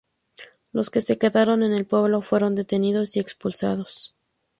Los que se quedaron en el pueblo fueron detenidos y expulsados.